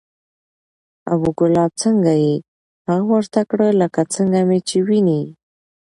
ابو کلاب څنګه یې؟ هغه ورته کړه لکه څنګه مې چې وینې،